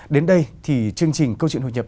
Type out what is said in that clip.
đến đây thì chương trình câu chuyện hội nhập